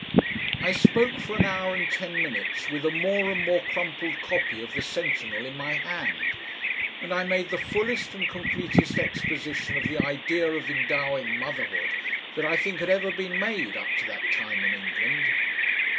I spoke for an hour and ten minutes with a more and more crumpled copy of the SENTINEL in my hand, and I made the fullest and completest exposition of the idea of endowing motherhood that I think had ever been made up to that time in England.